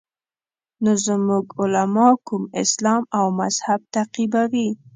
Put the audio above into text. نو زموږ علما کوم اسلام او مذهب تعقیبوي.